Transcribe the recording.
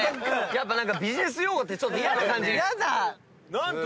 やっぱビジネス用語ってちょっと嫌な感じ。